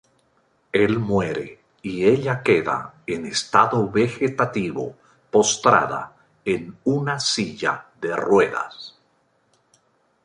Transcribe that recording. Él muere y ella queda en estado vegetativo postrada en una silla de ruedas.